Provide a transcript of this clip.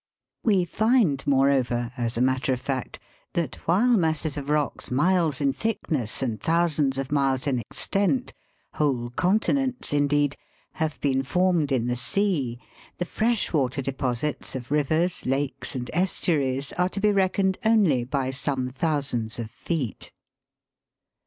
57 We find, moreover, as a matter of fact, that, while masses of rocks miles in thickness and thousands of miles in extent whole continents, indeed have been formed in the sea, the fresh water deposits of rivers, lakes, and estuaries, are to be reckoned only by some thousands of feet.